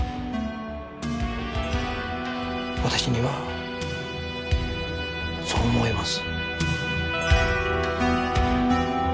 私にはそう思えます。